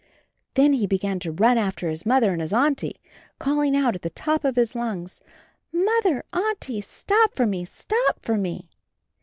Then he began to run after his Mother and his Auntie, calling out at the top of his lungs, "Mother, Auntie, stop for me, stop for me."